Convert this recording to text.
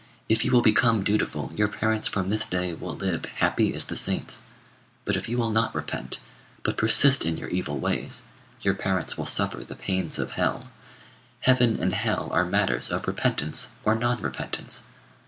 If you will become dutiful, your parents from this day will live happy as the saints. But if you will not repent, but persist in your evil ways, your parents will suffer the pains of hell. Heaven and hell are matters of repentance or non repentance.